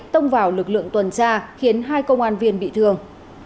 tông vào lực lượng tuần tra khiến hai công an viên bị thương